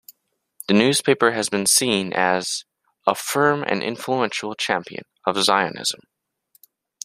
The newspaper has been seen as "a firm and influential champion of Zionism".